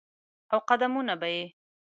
او قدمونه به یې،